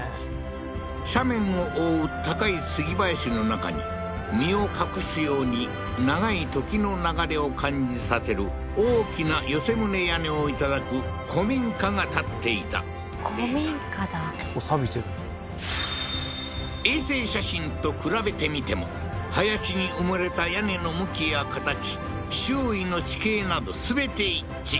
斜面を覆う高い杉林の中に身を隠すように長いときの流れを感じさせる大きな寄せ棟屋根を頂く古民家が建っていた古民家だ結構さびてる衛星写真と比べてみても林に埋もれた屋根の向きや形周囲の地形など全て一致